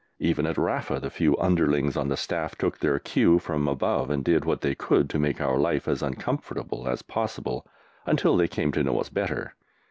Even at Rafa the few underlings on the Staff took their cue from above and did what they could to make our life as uncomfortable as possible, until they came to know us better.